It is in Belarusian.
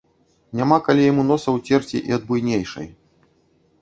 Няма калі яму носа ўцерці і ад буйнейшай.